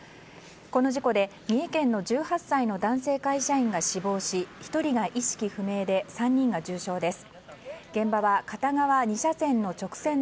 この事故で三重県の１８歳の男性会社員が死亡し１人が意識不明で３人が重傷です。